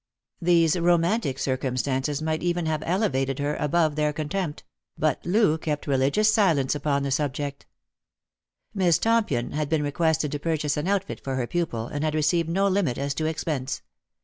These romantic circumstances might even have elevated her above their contempt; but Loo kept religious silence upon the subject. Miss Tompion had been requested to purchase an outfit for her pupil, and had received no limit as to expense.